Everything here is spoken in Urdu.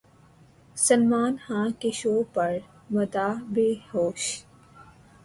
سلمان خان کے شو پر مداح بےہوش